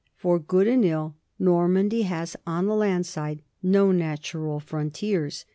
For good and ill, Normandy has, on the land side, no natural frontiers.